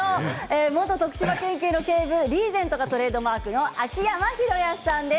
元徳島県警の警部リーゼントがトレードマークの秋山博康さんです。